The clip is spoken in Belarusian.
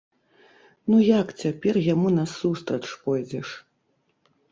Ну як цяпер яму насустрач пойдзеш?